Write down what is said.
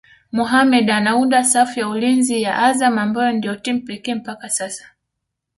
Mohammed anaunda safu ya ulinzi ya Azam ambayo ndio timu pekee mpaka sasa